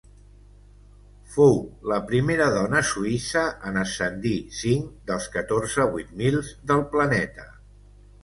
Fou la primera dona suïssa en ascendir cinc dels catorze vuit mils del planeta.